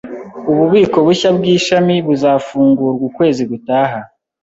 Ububiko bushya bwishami buzafungurwa ukwezi gutaha